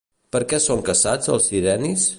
Per què són caçats els sirenis?